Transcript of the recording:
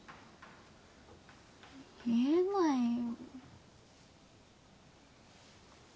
言えないよ